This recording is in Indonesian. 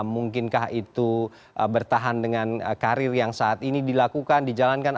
mungkinkah itu bertahan dengan karir yang saat ini dilakukan dijalankan